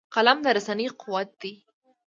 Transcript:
قلم د رسنۍ قوت دی